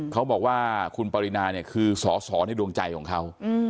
เขาบอกว่าคุณปรินาเนี่ยคือสอสอในดวงใจของเขา